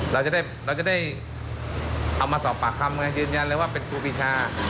เราจะได้เราจะได้เอามาสอบปากคำยืนยันเลยว่าเป็นครูปีชา